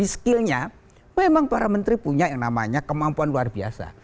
skillnya memang para menteri punya yang namanya kemampuan luar biasa